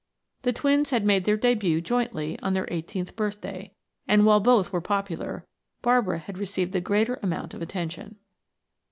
The twins had made their debut jointly on their eighteenth birthday, and while both were popular, Barbara had received the greater amount of attention.